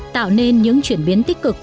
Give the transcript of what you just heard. tạo nên những chuyển biến tích cực